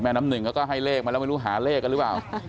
น้ำหนึ่งเขาก็ให้เลขมาแล้วไม่รู้หาเลขกันหรือเปล่า